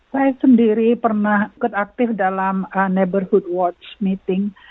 saya sendiri pernah aktif dalam neighborhood watch meeting